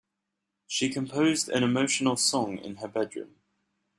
She composed an emotional song in her bedroom.